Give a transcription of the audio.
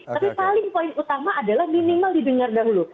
tapi paling poin utama adalah minimal didengar dahulu